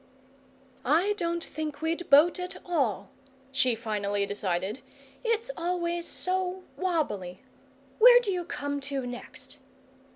"I don't think we'd boat at all," she finally decided. "It's always so WOBBLY. Where do you come to next?"